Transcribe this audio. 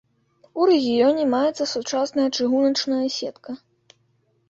У рэгіёне маецца сучасная чыгуначная сетка.